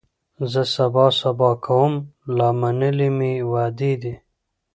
زه سبا سبا کومه لا منلي مي وعدې دي